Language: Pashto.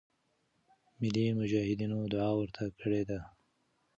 ملی مجاهدینو دعا ورته کړې ده.